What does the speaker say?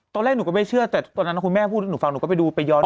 ตอนแรกหนูก็ไม่เชื่อแต่ตอนนั้นคุณแม่พูดให้หนูฟังหนูก็ไปดูไปย้อน